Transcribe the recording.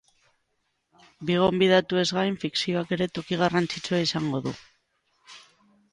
Bi gonbidatuez gain, fikzioak ere toki garrantzitsua izango du.